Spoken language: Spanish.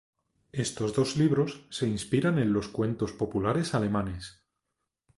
Estos dos libros se inspiran en los cuentos populares alemanes.